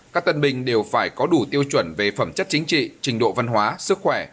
các tân binh đều phải có đủ tiêu chuẩn về phẩm chất chính trị trình độ văn hóa sức khỏe